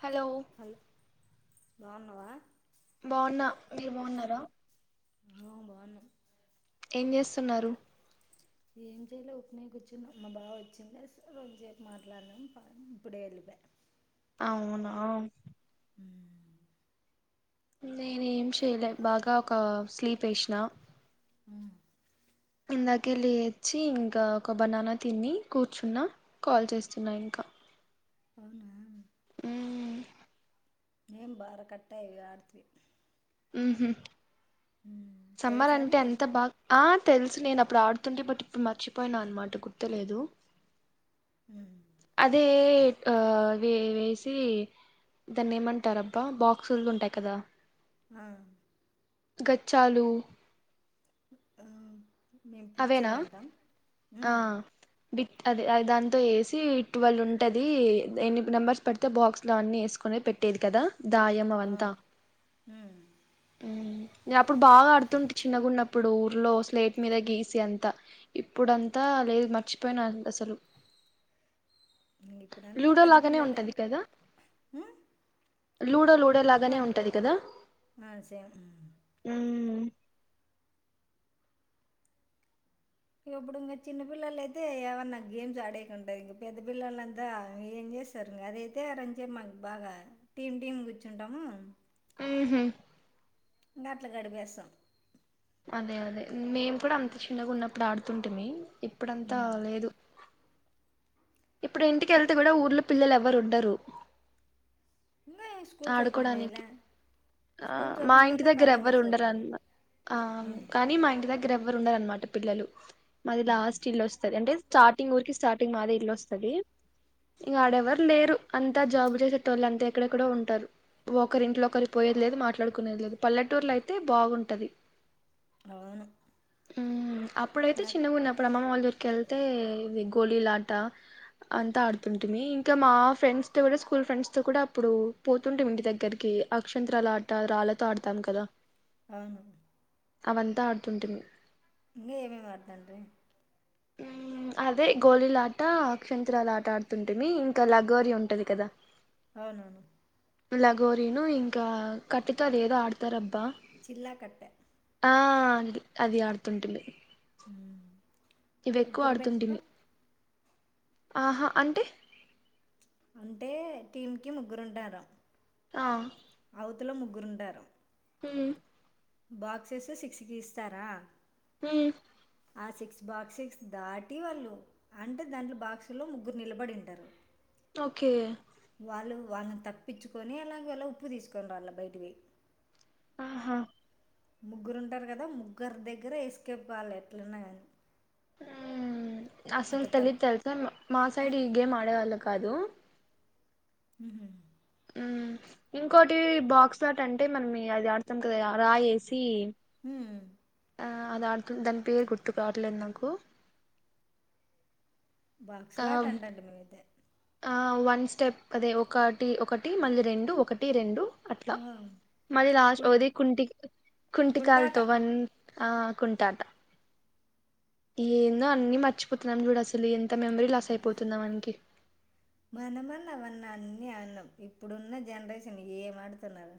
Hello hello బాగున్నావా బాగున్నా మీరు బాగున్నారా ఆ బాగున్నాం ఏం చేస్తున్నారు ఏం చేయలే ఊకినే కూర్చున్నాం మా బావా వచ్చిండా రొంసేపు మాట్లాడినాం ప ఇప్పుడే వెళ్ళిపా అవునా మ్మ్. నేన్ ఏం చెయలే బాగా ఒక స్లీప్ ఎసినా హు మ్ ఇందాకే లేచి ఇంకా ఒక బనానా తిని కూర్చున్న కాల్ చేస్తున్నా ఇంకా అవునా ఊ మేము భార కట్ట ఇగ అడితి ఉహు సమ్మర్ తెలుసా అంటే నీకది అంత బాగా ఆ తెలుసు నేను ఆప్పుడు ఆడుతుంటి బట్ ఇప్పుడు మర్చిపోయినా అనమాట గుర్తులేదు ఊ ఎట్ ఆ అవి వేసి దాన్ని ఏమంటారూ అబ్బా బాక్సులు ఉంటాయి కదా ఆ గచ్చాలు ఆ మేము పిచ్చల్ అవేనా అంటాం మ్ అదే అది దాంతో వేసి ట్యూవల్ ఉంటాది ఎన్ని నెంబర్స్ పడితే బాక్స్ లో అన్ని వేసుకొనీ పెట్ పేట్టేది కదా దాయము అంత మ్ ఉ నేను అప్పుడు బాగా అడుతుంటి చిన్నగున్నప్పుడు ఊర్లో స్లేట్ మీద గీసి అంత ఇప్పుడు అంతా లేదు మర్చిపోయినా అసలు ఇప్పుడు అంతా పెద్ద లూడోలాగానే పిల్లలే ఉంటది కదా మ్మ్? లూడో లూడో ఆ లాగానే ఉంటది కదా ఆ సేమ్ మ్మ్. ఉ ఇం ఇప్పుడు ఇంకా చిన్న పిల్లల అయితే యవన్నా గేమ్స్ ఆడేకి ఉంటది ఇంకా పెద్ద పిల్లలంతా ఏం చేస్తారు అదైతే అ రొంసేపు మాకు బాగా టీమ్ టీమ్ కూర్చుంటాము ఉహు ఇంగ అట్లా గడిపెస్తాం అదే అదే మేము కూడా అంత చిన్నగా ఉన్నప్పుడు ఆడుతుంటిమి ఇప్పుడంతా ఉమ్. లేదు ఇప్పుడు ఇంటికెళ్తే కూడా ఊర్లో పిల్లలు ఎవరుండరు ఇంగా స్కూల్స్ ఓపెన్ చేయలే ఆ స్కూల్స్ మా ఓపెన్ ఇంటి చేయలే దగ్గర ఎవ్వరు కాలేజెస్ ఓపెన్ ఉండరన్న, చేయలే ఆ ఆహా. కానీ మా ఇంటి దగ్గర ఎవ్వరు ఉండరన్మా. [unintelligible] ట పిల్లలు మాది లాస్ట్ ఇల్లు వస్తది. అంటే స్టార్టింగ్ ఊరికి స్టార్టింగ్ మాదే ఇల్లు వస్తది. ఇంగడెవ్వరు లేరు. అంతా జాబ్ చేసేటోల్లే అంత ఎక్కడేక్కడో ఉం. టారు ఒకరి ఇంట్లో ఒకరి పోయేది లేదు, మాట్లాడుకునేది లేదు, పల్లెటూర్లో అయితే బాగుంటది. అవును మ్ అప్పుడైతే నాకు చిన్నగున్నప్పుడు అమ్మమ్మ వాళ్ల ఊరికేళ్తే ఇది. గోలీలాట అంతా ఆడుతుంటిమీ. ఇంకా మా ఫ్రెండ్స్ తో కూడా, స్కూల్ ఫ్రెండ్స్ తో కూడా అప్పుడు. పోతుంటిమి ఇంటి దగ్గరికి అక్షంత్రాల ఆట రాళ్లతో ఆడతాం కదా! అవును అవంతా ఆడుతుంటిమి ఇంగే ఏమేమి ఆడతంటివి ఆవా అదే గోలిలాట, అక్షంత్రాల ఆట ఆడుతుంటీమి ఇంకా లగోరీ ఉంటది కదా! అవునవును లగోరీను, ఇంకా కట్టెతో అదేదో ఆడతారబ్బా. చిల్లాకట్ట ఆ అది అది ఆడుతుంటిమి హ ఇవెక్కువ ఆడుతుంటిమి ఆహా అంటే అంటే టీం కి ముగ్గురుంటారు ఆ లో ముగ్గురుండారు హు బాక్సెసు సిక్స్ గీస్తారా హు ఆ సిక్స్ బాక్స్క్స్ దాటి వాళ్ళు అంటే దాంట్లో బాక్సులో ముగ్గురు నిలబడింటారు. ఓకే వాళ్ళని తప్పించుకొని అలాగేలా ఉప్పు తీసుకొని రాళ్ల బయటికి పోయి. ఆహా ముగ్గురు ఉంటారు కదా! ముగ్గురు దగ్గర ఎస్కేప్ కావాల ఎట్లన్నా గానీ. మ్ మ్ మ్ అసలు తెలిదు తెలుసా? మా సైడ్ ఈ గేమ్ ఆడేవాళ్లు కాదు. ఉహు మ్మ్ ఇంకోటి బాక్స్ ఆట అంటే మనం [unintelligible] అది ఆడతాం కదా రాయేసి. మ్మ్ ఆ అది ఆడుతం దాని పేరు గుర్తుకు రావట్లేదు నాకు. బాక్స్ ఆ లాట అంటాంటిమి మేమైతే ఆ వన్ స్టెప్ అదే ఒకటి ఒకటి మళ్ళీ రెండు, ఒకటి. టి, రెండు అట్లా మరి లాస్ట్ కుం ఒకది కుంటి, కుంటాట కుంటికాల్తో వన్. ఆ కుంటాట ఏందో అన్ని మర్చిపోతున్నాం చూడు, అసలు ఎంత మెమరీ లాస్ అయిపోతుంద మనకి. మనమన్నా అవన్న అన్ని ఆణ్యం, ఇప్పుడున్న జనరేషన్ ఏం ఆడుతున్నారు.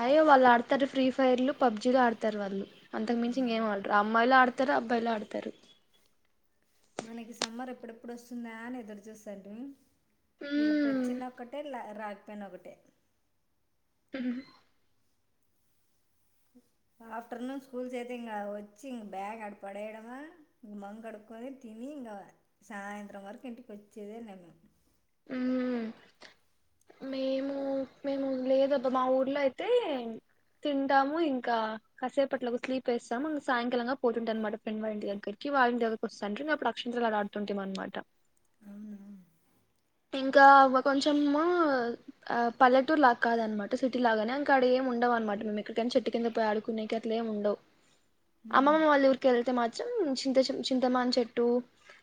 అయ్యో వాళ్ళు ఆడతారు ఫ్రీ ఫైర్లు, పబ్జీలు ఆడతారు. వాళ్ళు అంతకు మించి ఇంగేమ్ ఆడరు అమ్మాయిలు ఆడతారు. అబ్బాయిలు ఆడతారు మనకి సమ్మర్ ఎప్పుడెప్పుడు వస్తుందా అని ఎదురు చూసాంటిమి. వీళ్ళకి మ్మ్ వచ్చిన ఒకటే రాకపోన ఒకటే స ఆఫ్టర్ నూన్ స్కూల్ సే ఇంక వచ్చి ఇ బాగ్ అ పడేయడవా మంగ అడుకో ఇ ఇంక సాయంత్రం వరకు ఇంటికి వచ్చేదే నను మ్ మేము మేము లేదబ్బా మా ఊర్లో అయితే తింటాము ఇంకా కసేపట్లోలకు స్లీప్ వేస్తాము సాయంకాలంగా పోతుంటా అనమాట ఫ్రెండ్ వాళ్ళంటి దగ్గరికి ళ్ళని దగరికి వస్తాంట నే అప్పుడు అక్షంతరా అలాడుతుంటాం అనమాట అవునా ఇంకా కొంచెము పల్లటూరు లాగ కాదనమాట సిటీ లాగానే అంక అడ ఏ ఉండవు అనమాట మేము ఎక్కడికైనా చెట్టు కింద పోయి ఆడుకునేయిక అట్లే డవు అమ్మమ్మ వాళ్ళ ఊరికి వెళ్తే మాత్ర చింత చింతమాన్ చెట్టు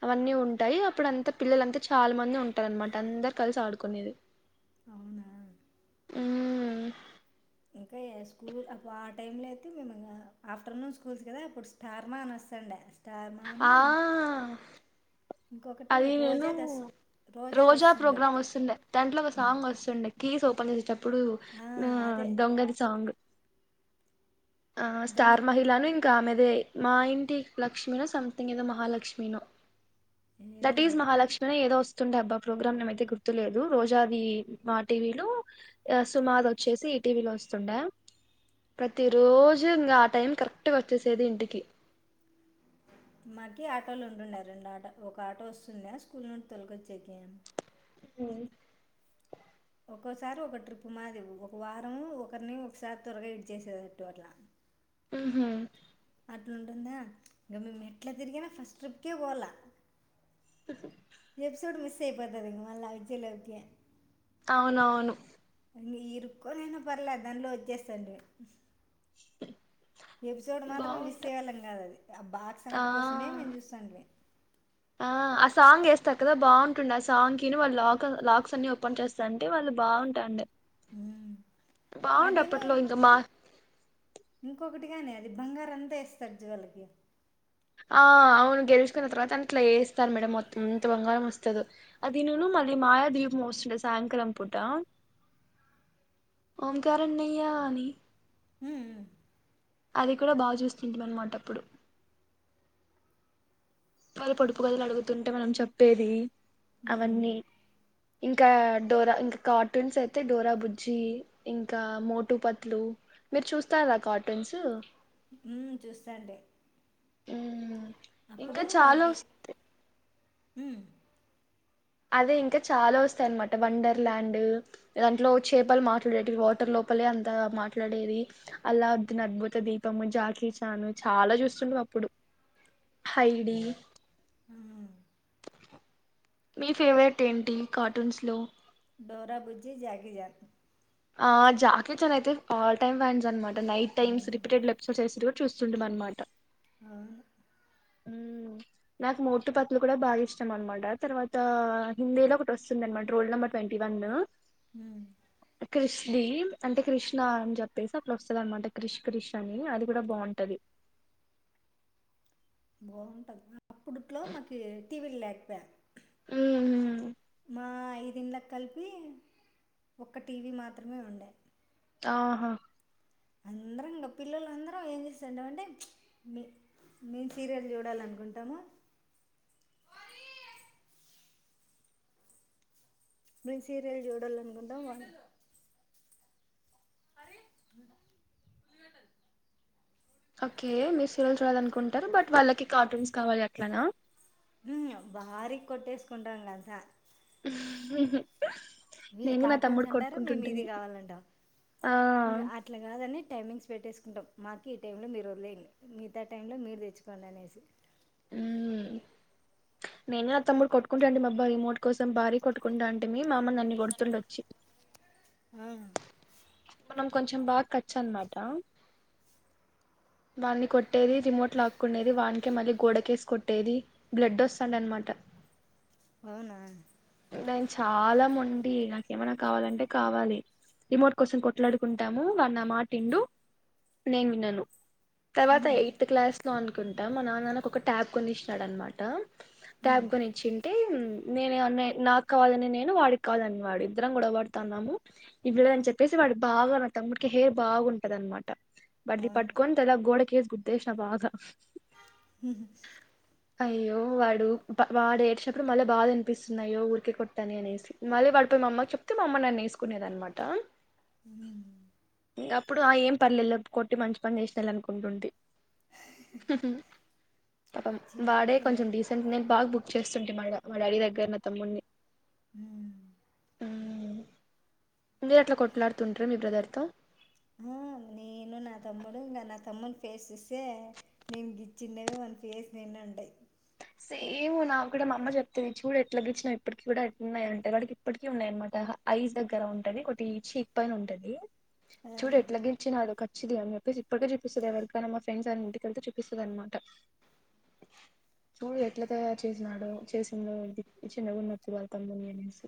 అవన్నీ ఉంటాయి అప్పుడు అంతా పిల్లలంతా చాలా మంది ఉంట అనమాట అందరు కలిసి ఆడుకునేది అవునా అ స్కూల్ ఆ టైమ్ లో అయితే మేము ఆఫ్టర్నూన్ స్కూల్స్ కదా అప్పుడు స్టార్మా అని వస్తుండె స్టార్ ఆ ఇంకొకటి అది నేను రోజా దస్ రోజా వస్తుండే ప్రోగ్రామ్ ఒకటి వస్తుండే దాంట్లో ఒక సాంగ్ వస్తుండే కేీస్ ఓపెన్ చేసేటప్పుడు ఆ దొంగతి సాంగ్ ఆ దొంగ స్టార్ మహిళను ఇంకా ఆమె ఇదే మా ఇంటి లక్ష్మినో సమ్ తింగ్ ఏదో మహాలక్ష్మినో ఏదో దట్ ఈస్ మళ్ళా మహాలక్ష్మిని ఏదో వస్తుండే అబ్బా ప్రోగ్రామ్ నేమైతే గుర్తులేదు రోజాది మా టీవీలో సుమా ది వచ్చేసి ఈటీవీలో వస్తుండే ప్రతి రోజు ఇంక ఆ టైం కరెక్ట్ క్ట్ వచ్చేసేది ఇంటికి న్నా రెండు ఆటో ఒక ఆటో వస్తున్నా స్కూల్ నుండి తొలకొచ్చ్ం హు ఒక్కోసారి ఒక ట్రిప్పు మాది ఒక వారంము ఒకరిని ఒకసారి త్వరగా ఇడి చేసేటట్టు అట్లా ఊహు అట్లాంటుందా ఇంక మేము ఎట్ల తిరిగిన ఫస్ట్ ట్రిప్కే పోాల ఎపిసోడ్ మిస్ అయిపోతది మళ విజల ఓకే అవునవును ఇరుక్కనైన పర్లేదు దానిట్లో వచ్చేస్తది ఎపిసోడ్ మాత్రంే మిస్ బాగుంటాయి అమ్మేవాళ్ళం కాదండి అది ఆ బాక్స్ హట్ కోసమే మేము ఆ చూస్తాంే ఆ ఆ సాంగ్ వేస్తాారు కదా బాగుంటుంది ఆ సాంగ్ కిని వాళ్ళు లాక్ లాక్స్ అన్ని ఓపెన్ చేస్తా అంటే వాళ్ళు బాగుంటాం డె అదిను ఇంకా మా ఇంకొ ఒకటిగానే అది బంగారు అంతా వేస్తడు చివర వాళ్ళకి ఆ అవును గెలుచుకున్న తర్వాత అని ఇట్లా వేస్తారు మేడం మొత్తంంత బంగారం వస్తదో అది ను అద మాయ దీప్్ వస్తుంట సాయంకాలం పూట ఓమ్ కారం నెయ్యా అది హు అది కూడ బాగ చూస్తుంటమనమాటప్పుడు వాల్ పొడుపు కదలు అడుగుతుంటే మనం చెప్పేది అవన్నీ ఇంకా డోరా ఇంకా కార్టూన్స్ అయితే డోరా బుజ్జి ఇంకా మోటుపట్లు మీరు చూస్తార కార్టూన్స్ ఉ చూస్తాండి ఉమ్ ఇంకా అప్పుడు చాలా వస్తుంది ఉమ్ అదే ఇంకా చాలా వస్తాయి అన్నమాట వండర్ ల్యాండ్ దాంట్లో చేపలు మాట్లాడేటవి వాటర్ లో పలే అంతాగ మాట్లాడేవి అల్లవుద్ధిన్ అద్భుత దీపము, జాకిచాను చాలా చూస్తుండవ అప్పుడు హైడి హ్మ్. మీ ఫేవరెట్ ఏంటి కార్టూన్స్ లో? డోరాబుజ్జి, జాకిచాన్ ఆ జాకేచాన్ అయితే ఆల్ టైమ్ ఫ్యాన్స్ అనమాట. నైట్ టైమ్స్ రిపీటెడ్ ఎపిసోడ్స్ చేస్తు చూస్తుండ మనమాట అవును ఉమ్ నాకు మోటు పతులు కూడా బాగా ఇష్టం అనమాట. తర్వాత హిందీలో ఒకటి వస్తుంది అనమాట రోల్ నెంబర్ ట్వీ ది వందు ఉహ కృష్ది అంటే కృష్ణ అని చెప్పేసి అప్పుడు వస్తుంది అనమాట క్రిష్ కృష్ అని అది కూడా బావుంటది. బావుంటది అప్పుడుట్లో మాకు టీవీలు లేకపోయె ఉహు ఆ ఐదు ఇండ్లకి కలిపి ఒక టీవీ మాత్రమే ఉండే ఆవును అందరం ఇంకా పిల్లలు అందరం ఏం చేస్తంట అంటే మీ మేము సీరియల్ చూడాలనుకుంటాము మేం సీరియల్ జూడలన్కుంటామ్ అరే ఓకే మీరు సీరియల్ చూడాలనుకుంటారు బట్ వాళ్ళకి కార్టూన్స్ కావాలి అట్లనా మ్ భారీ కొట్టేసుకుంటంగ సార్ హ్హ్హ్ వీళ్ళు కార్టూన్స్ అంటారు మేము ఇది కావాలంటామ్ ఆ ఇంకా అట్లా కాదని టైమింగ్స్ పెట్టేసుకో ఉంటాం మాకు ఈ టైంలో మీరు వదిలేయండి. మిగతా టైంలో మీరు తెచ్చుకోండి అనేసి ఉహు నేనే అ తముడు కొట్టుకుంటాంటిమి అబ్బా రిమోట్ కోసం భారీ కొట్టుకుంటాంటిమి. మా అమ్మ నన్ని కొడుతుండ వచ్చి ఆ మనం కొంచెం బాగా ఖచ్చ అన్నమాట వాణ్ని కొట్టేది రిమోట్ లాక్కునేది వానికే మళ్ళీ గోడకేసు కొట్టేది బ్లడ్ వస్తాంది అనమాట అవునా దై చాలా మొండి నాకేమైనా కావాలంటే కావాలి రిమోట్ కోసమ్ కొట్లాడుకుంటాము వాని నా మాట విండు నేను వినను. తర్వాత ఎయిత్ క్లాస్ లో అనుకుంటా మా నాన్న ఒక ఒక ట్యాబ్ కొనిచ్చినాడు అనమాట ట్యాబ్ కొనిచ్చింటే నేను అ నాకు కావాలని నేను వాడికి కాదని వాడు ఇద్దరం గొడవడుతున్నాము ఇ చెప్పేసి వాడు బాగా నా తమ్ముడికి హెయిర్ బాగుంటది అనమాట బట్ది అవును పట్టుకొని గోడ కేేస్ గుద్దేసిన బాగా హ అయ్యో వాడు వాడ ఏడ్చినప్పుడు మళ్ళీ బాధ అనిపిస్తున్నాయో ఊరికే కొట్టని అనేసి మళ్ళీ వా పోయి మా అమ్మ కి చెప్తే మామ్మ నన్ను వేసుకునేది అనమాట హ అప్పుడు ఆ ఏం పర్లెలో కొట్టి మంచి పని చేసిన అనుకుంటుంటి హ్ పాపం వాడే చిన్నప్పుడు మే కొంచం డీసెంట్ నేను బాగ చేస్తుంటే మా మా డాడీ దగ్గర మా తమ్ముని హ మీరు అట్లా కొట్లాడుతుంటారు మీ బ్రదర్ తో హ నేను నా తమ్ముడు ఇంకా నా తమ్ముని ఫేస్ ఇస్తే నేను గిచ్చినవి వాని ఫేస్ నేనే ఉండయి సేమ్ నాకు కూడా మా అమ్మ చెప్తేంది చూడు ఎట్లా గిచ్చినావు ఇప్పటికిీ కూడా ఎట్లున్నాయి అంటే వాడికి ఇప్పటికిీ ఉన్నాయి అనమాట ఐస్ దగ్గర ఉంటది ఒకటి ఈ చీక్ పైన ఉంటది ఆ చూడు ఎట్లా గిచ్చినవ్ మచ్చిది అని చెప్పేసి ఇప్పటికే చూపిస్తుంది ఎవరికైనా మా ఫ్రెండ్స్ అన్ని ఇంటికిళ్తే చూపిస్తుంది అన్నమాట చూడు ఎట్లా తయారు చేసినాడు చేసిందో చిన్నగా ఉన్నప్పుడు వల్ల తమ్ముడిని అనేసి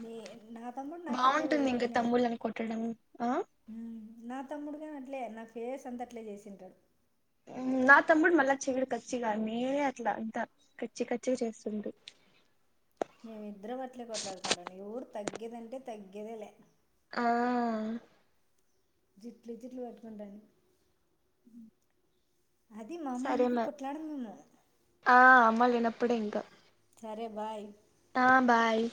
నే నా తమ్ముడు నాకు అట్లే బాగుంటుంది ఇంకా పెట్టినాడు తమ్ముళ్ళని కొట్టడం ఆ నా తమ్ముడు నాకు అట్లే నా ఫేస్ అంత అట్లే చేసింటాడు నా తమ్ముడు మళ్ చెవిడి కచ్చి గారిని నినే అట్లా ఇంత కచ్చి కచ్చి చేస్తుంటి మేమిద్దరం అట్లే కొట్లాడుకుంటాం ఎవర్ తగ్గేదంటే తగ్గేదే లే ఆ జూట్లు జుట్లు పట్టుకుంటాను హ అది మా అమ్మ ఉన్నప్పుడు కొట్లాడం మేము ఆ అమ్మ లేనప్పుడే ఇంకా సరే బాయ్ ఆ బాయ్